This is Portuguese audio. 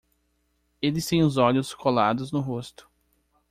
Eles têm os olhos colados no rosto.